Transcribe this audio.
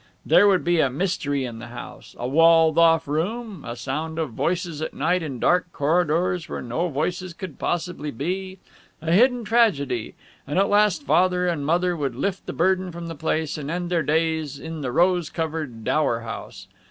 There would be a mystery in the house a walled off room, a sound of voices at night in dark corridors where no voices could possibly be, a hidden tragedy, and at last Father and Mother would lift the burden from the place, and end their days in the rose covered dower house....